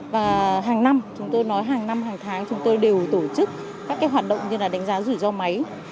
và hàng năm chúng tôi nói hàng năm hàng tháng chúng tôi đều tổ chức các hoạt động như là đánh giá rủi ro máy